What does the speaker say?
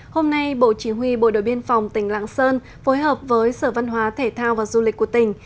hôm nay bộ chỉ huy bộ đội biên phòng tỉnh lạng sơn phối hợp với sở văn hóa thể thao và du lịch của tỉnh